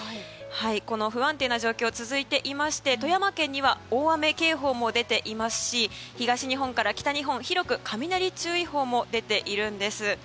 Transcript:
この不安定な状況が続いていまして富山県には大雨警報も出ていますし東日本から北日本に広く雷注意報も出ているんです。